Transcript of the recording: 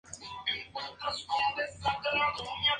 Fue capitán de la milicia local y magistrado.